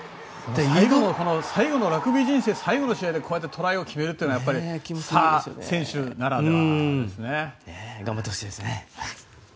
最後のラグビー人生最後の試合でこうやってトライを決めるというのは選手ならではですね。頑張ってほしいですね。